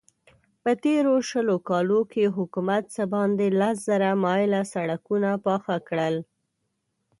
په تېرو شلو کالو کې حکومت څه باندې لس زره مايله سړکونه پاخه کړل.